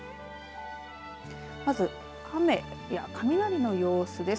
まず雨や雷の様子です。